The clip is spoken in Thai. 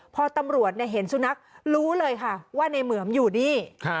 พอตำรวจเห็นสุนัขรู้เลยค่ะว่าในเหมือมอยู่นี่